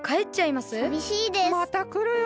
またくるよ。